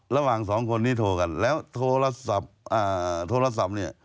ระหว่างสองคนนี้โทรกันแล้วโทรศัพท์